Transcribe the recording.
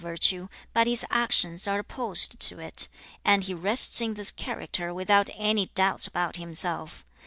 問 virtue, but his actions are opposed to it, and he rests in this character without any doubts about himself.